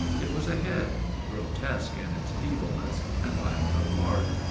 It was a head, grotesque in its feebleness and lack of art.